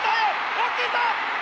大きいぞ！